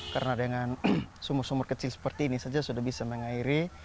karena dengan sumur sumur kecil seperti ini saja sudah bisa mengairi